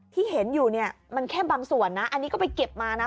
ที่เห็นอยู่เนี่ยมันแค่บางส่วนนะอันนี้ก็ไปเก็บมานะ